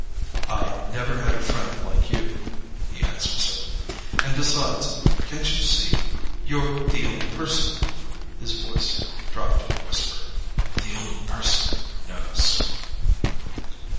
"I never had a friend like you," he answered simply. "And besides—can't you see?—you're the only person"—his voice dropped to a whisper—"the only person who knows."